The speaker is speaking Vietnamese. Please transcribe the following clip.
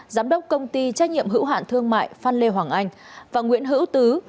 giám đốc công ty trách nhiệm hữu hạn thương mại phan lê hoàng anh và nguyễn hữu tứ